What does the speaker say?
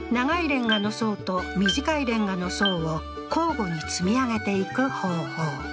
レンガの層と短いレンガの層を交互に積み上げていく方法